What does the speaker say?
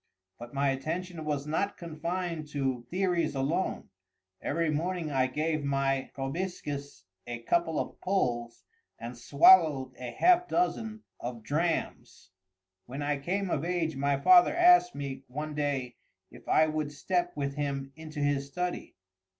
But my attention was not confined to theories alone. Every morning I gave my proboscis a couple of pulls and swallowed a half dozen of drams. When I came of age my father asked me, one day, if I would step with him into his study.